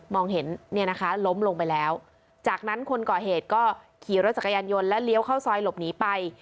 เห็นเนี่ยนะคะล้มลงไปแล้วจากนั้นคนก่อเหตุก็ขี่รถจักรยานยนต์และเลี้ยวเข้าซอยหลบหนีไป